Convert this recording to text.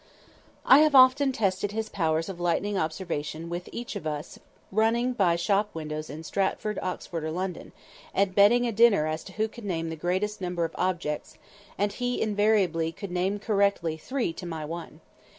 I have often tested his powers of lightning observation with each of us running by shop windows in Stratford, Oxford or London, and betting a dinner as to who could name the greatest number of objects, and he invariably could name correctly three to my one.